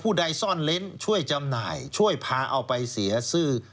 ใดซ่อนเล้นช่วยจำหน่ายช่วยพาเอาไปเสียซื้อ